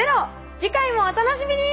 次回もお楽しみに！